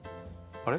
あれ？